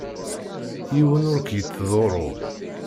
Yiwen ur k-yettḍurru.